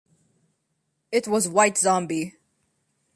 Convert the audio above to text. It was White Zombie.